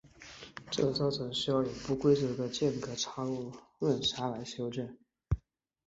这造成需要以不规则的间隔插入闰秒来修正。